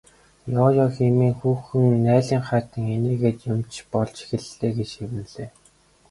Ёо ёо хэмээн хүүхэн наалинхайтан инээгээд юм ч болж эхэллээ гэж шивнэлээ.